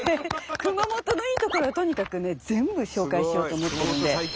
熊本のいいところはとにかくね全部紹介しようと思ってるんで。